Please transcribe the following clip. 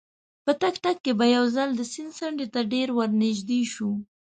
په تګ تګ کې به یو ځل د سیند څنډې ته ډېر ورنژدې شوو.